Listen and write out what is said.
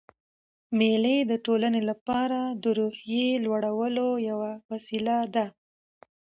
مېلې د ټولنې له پاره د روحیې لوړولو یوه وسیله ده.